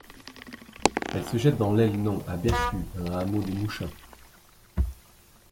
Elle se jette dans l’Elnon à Bercu, un hameau de Mouchin.